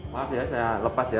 pak saya lepas ya